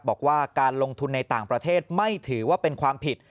บอกว่าการลงทุนในต่างประเทศไม่ถือว่าเป็นความผิด